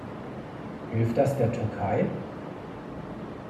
Hilft das der Türkei?